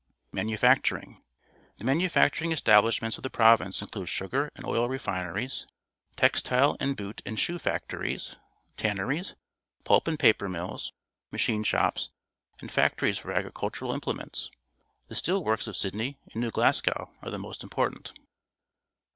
Manufacturing. "The manufacturing es tablishments of the province include .sugar and oil refineries, textile and boot and shoe factories, tanneries, pulp and paper mills, machine shops, and factories for agricultural invplements. The^ste el wo rks of Sydney and New Glasgow are the most important.